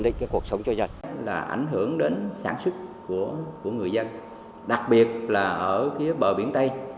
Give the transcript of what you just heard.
nói chung là cuộc sống của người dân là ảnh hưởng đến sản xuất của người dân đặc biệt là ở bờ biển tây